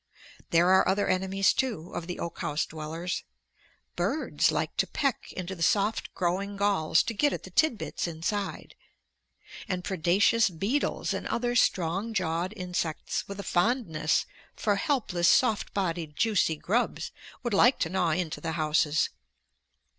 There are other enemies, too, of the oak house dwellers. Birds like to peck into the soft, growing galls to get at the tidbits inside. And predaceous beetles and other strong jawed insects with a fondness for helpless, soft bodied, juicy grubs would like to gnaw into the houses.